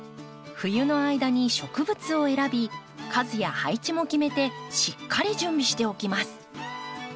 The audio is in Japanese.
冬の間に植物を選び数や配置も決めてしっかり準備しておきます。